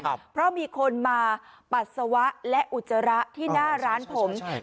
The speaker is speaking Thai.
ครับเพราะมีคนมาปัสสาวะและอุจจาระที่หน้าร้านผมใช่ใช่ใช่